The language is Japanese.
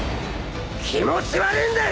気持ち悪ぃんだよ